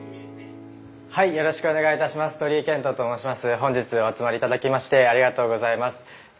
本日はお集まり頂きましてありがとうございます。